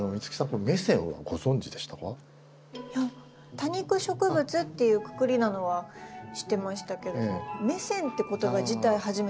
多肉植物っていうくくりなのは知ってましたけどメセンって言葉自体初めて聞きました。